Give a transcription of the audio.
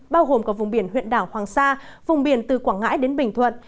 bao gồm cả vùng biển huyện đảo hoàng sa vùng biển từ quảng ngãi đến bình thuận